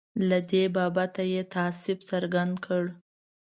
له دې بابته یې تأسف څرګند کړ.